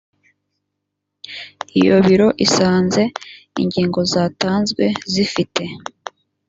iyo biro isanze ingingo zatanzwe zifite